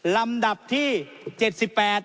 ลำดับต่อไปที่๗๘